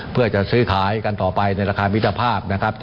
เพื่อจะซื้อขายกันต่อไปในราคามิตรภาพนะครับ